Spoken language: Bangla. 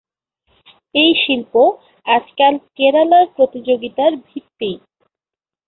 এই শিল্প আজকাল কেরালার প্রতিযোগিতার ভিত্তি।